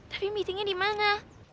tapi meetingnya dimana